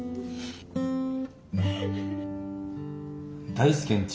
大輔んち